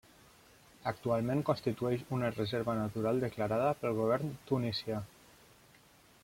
Actualment constitueix una reserva natural declarada pel govern tunisià.